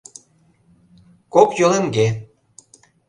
Кок йолемге.